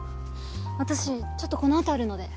私ちょっとこの後あるので。